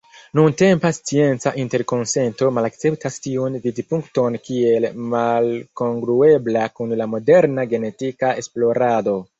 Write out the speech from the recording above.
Nuntempa scienca interkonsento malakceptas tiun vidpunkton kiel malkongruebla kun la moderna genetika esplorado.